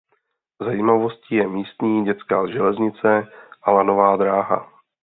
Zajímavostí je místní dětská železnice a lanová dráha.